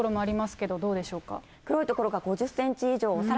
けれ黒い所が５０センチ以上さら